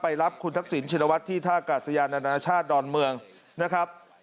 ไปรับคุณทักศิลป์ชินวัชฎ์ที่ท่ากาศิยาณนาธิชาติดอนเมืองนะครับ